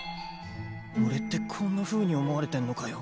俺ってこんなふうに思われてんのかよ。